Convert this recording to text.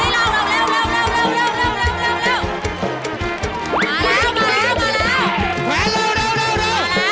เร็วกว่านี้ล่ะ